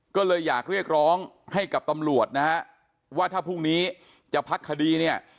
ก็เลยอยากเรียกร้องให้กับตำรวจนะฮะว่าถ้าพรุ่งนี้จะพักคดีเนี่ย